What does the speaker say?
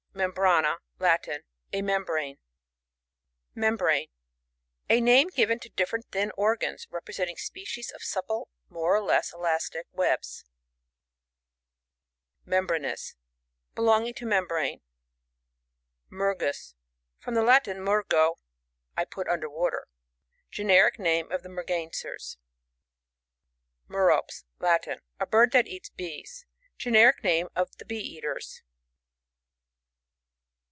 Membrana. — Latin. A membrane. Membrane. — A name given to diP* ferent thin organs, representing species of supple, more or less elastic, webs. Membranous. — Belonging to mem brane. Mergus. — From the Latin, mergo, T put und^r water. Generic name of the Mergansers. Merops. — Latin. A bird that eats bees. Crcneric name of the Bee eaters.